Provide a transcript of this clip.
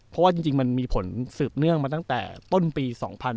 เพราะว่าจริงมันมีผลสืบเนื่องมาตั้งแต่ต้นปี๒๕๕๙